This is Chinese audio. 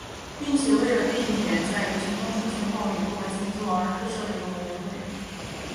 并且为避免在游行中出现暴力或静坐而特设了一个委员会。